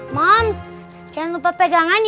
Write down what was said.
moms jangan lupa pegangan